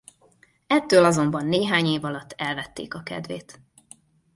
Ettől azonban néhány év alatt elvették a kedvét.